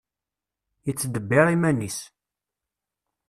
Yettdebbir iman-is.